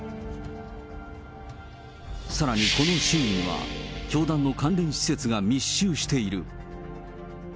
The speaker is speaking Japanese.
さらにこの周囲には、教団の関連施設が密集している。